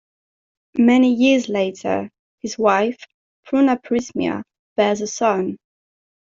Many years later, his wife, Prunaprismia, bears a son.